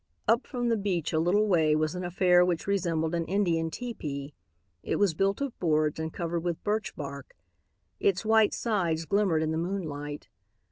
Up from the beach a little way was an affair which resembled an Indian tepee. It was built of boards and covered with birch bark. Its white sides glimmered in the moonlight.